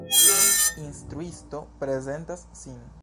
Instruisto prezentas sin.